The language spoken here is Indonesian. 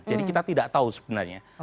jadi kita tidak tahu sebenarnya